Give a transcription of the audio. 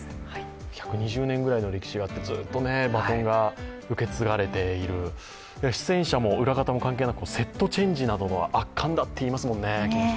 １２０年ぐらいの歴史があってずっとバトンが受け継がれている出演者も裏方も関係なく、セットチェンジなども圧巻だっていいますもんね。